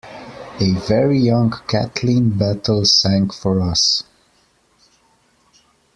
A very young Kathleen Battle sang for us.